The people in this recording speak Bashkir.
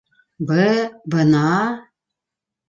Бы-бына!